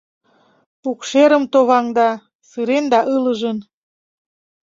Укшерым товаҥда, сырен да ылыжын.